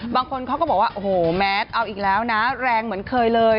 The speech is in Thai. บางคนเขาก็บอกว่าโอ้โหแมทเอาอีกแล้วนะแรงเหมือนเคยเลย